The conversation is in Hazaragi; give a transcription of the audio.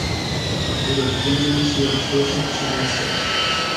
دور از دیل مۂ چی آسۉ شود چی بئد شود